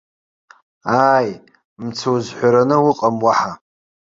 Ааи, мцы узҳәараны уҟам уаҳа!